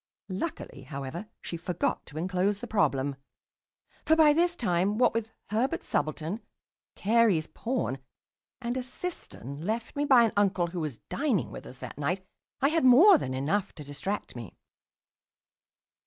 Luckily, however, she forgot to enclose the problem. For by this time, what with Herbert's subaltern, Carey's pawn, and a cistern left me by an uncle who was dining with us that night, I had more than enough to distract me.